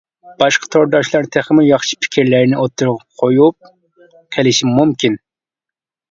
باشقا تورداشلار تېخىمۇ ياخشى پىكىرلەرنى ئوتتۇرىغا قويۇپ قېلىشى مۇمكىن.